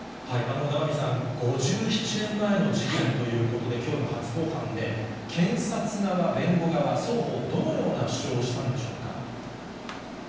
永見さん、５７年前の事件ということで、きょうの初公判で、検察側、弁護側、双方、どのような主張をしたんでしょうか。